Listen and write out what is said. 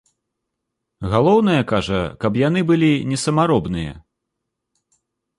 Галоўнае, кажа, каб яны былі не самаробныя.